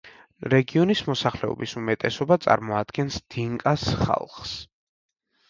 რეგიონის მოსახლეობის უმეტესობა წარმოადგენს დინკას ხალხს.